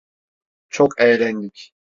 Çok eğlendik.